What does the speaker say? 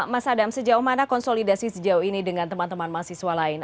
mas adam sejauh mana konsolidasi sejauh ini dengan teman teman mahasiswa lain